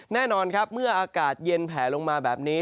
แน่นอนครับเมื่ออากาศเย็นแผลลงมาแบบนี้